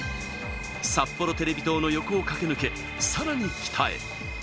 さっぽろテレビ塔の横を駆け抜け、さらに北へ。